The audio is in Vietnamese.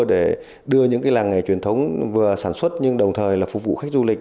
để đưa những làng ngày truyền thống vừa sản xuất nhưng đồng thời phục vụ khách du lịch